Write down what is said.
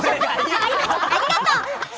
ありがとう！